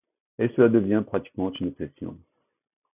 Et cela devient pratiquement une obsession.